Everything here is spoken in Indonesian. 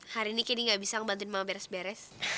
hari ini candy gak bisa ngebantuin mama beres beres